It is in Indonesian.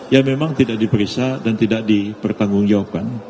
ya memang tidak diperiksa dan tidak dipertanggungjawabkan